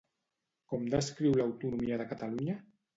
Com descriu l'autonomia de Catalunya?